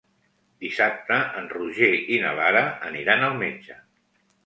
Dissabte en Roger i na Lara aniran al metge.